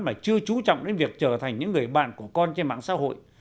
mà chưa trú trọng đến việc trở thành những người bạn của con trên mạng xã hội